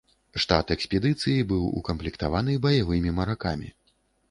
Штат экспедыцыі быў укамплектаваны баявымі маракамі.